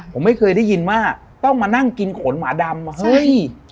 ผมไม่เคยได้ยินว่าต้องมานั่งกินขนหมาดำเฮ้ย